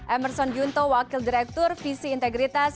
emerson yunto wakil direktur visi integritas